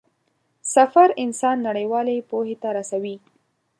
سفر انسان نړيوالې پوهې ته رسوي.